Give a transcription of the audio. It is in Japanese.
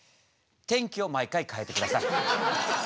天気を毎回かえて下さい。